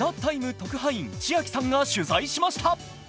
特派員、ちあきさんが取材しました。